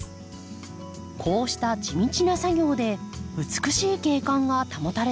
こうした地道な作業で美しい景観が保たれていたんですね。